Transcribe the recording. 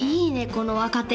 この若手。